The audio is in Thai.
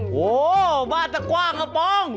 โอ้โหบ้านตะกว้างกระป๋อง